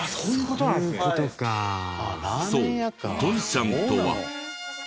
とんちゃんとは。